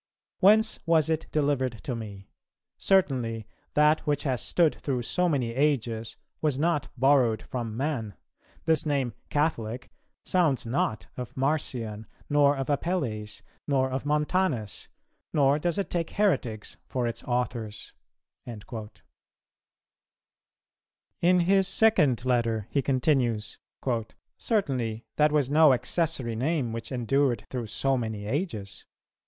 .... Whence was it delivered to me? Certainly that which has stood through so many ages was not borrowed from man. This name 'Catholic' sounds not of Marcion, nor of Apelles, nor of Montanus, nor does it take heretics for its authors." In his second letter, he continues, "Certainly that was no accessory name which endured through so many ages.